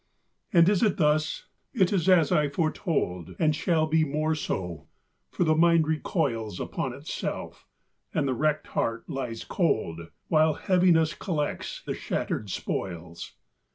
And is it thus? it is as I foretold, And shall be more so; for the mind recoils Upon itself, and the wrecked heart lies cold, While Heaviness collects the shattered spoils.